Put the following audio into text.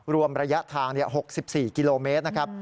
รวมระยะทาง๖๔กิโลเมตรนะครับ